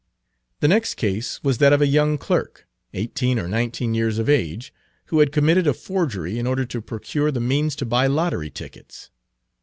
The next case was that of a young clerk, eighteen or nineteen years of age, who had committed a forgery in order to procure the means to buy lottery tickets.